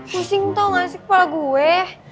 pusing tau gak sih kepala gue